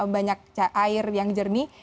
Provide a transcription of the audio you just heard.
banyak air yang jernih